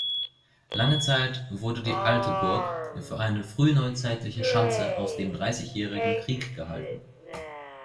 Lange Zeit wurde die Alteburg für eine frühneuzeitliche Schanze aus dem Dreißigjährigen Krieg gehalten.